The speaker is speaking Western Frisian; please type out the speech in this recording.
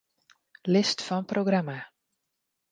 List fan programma.